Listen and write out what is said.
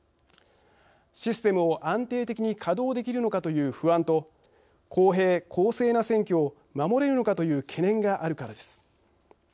システムを安定的に稼働できるのかという不安と公平・公正な選挙を守れるのかという懸念があるからです。